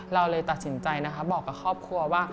เราเลยตัดสินใจนะคะบอกกับครอบครัวว่า